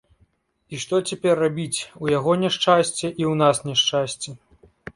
І што цяпер рабіць, у яго няшчасце, і ў нас няшчасце.